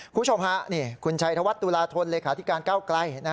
คุณชมฮะคุณชัยธวัฒน์ตุลาทนหลักหาธิการเก้าไกล